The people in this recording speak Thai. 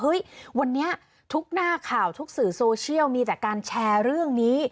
วันนี้ทุกหน้าข่าวทุกสื่อโซเชียลมีแต่การแชร์เรื่องนี้